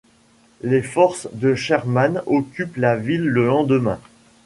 Les forces de Sherman occupent la ville le lendemain.